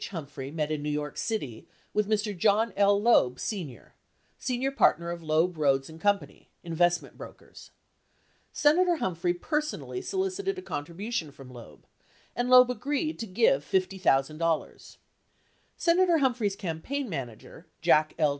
Humphrey met in New York City with Mr. John L. Loeb, Sr., senior partner of Loeb, Rhoades, and Co. (investment brokers) . Senator Humphrey personally solicited a contribution from Loeb, and Loeb agreed to give $50,000. Senator Humphrey's campaign manager, Jack L.